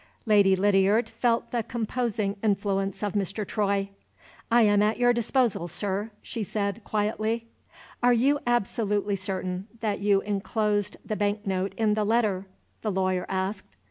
Lady Lydiard felt the composing influence of Mr. Troy. "I am at your disposal, sir," she said, quietly. "Are you absolutely certain that you inclosed the bank note in the letter?" the lawyer asked.